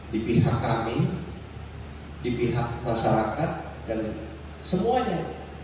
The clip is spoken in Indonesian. di pihak kami di pihak masyarakat dan semuanya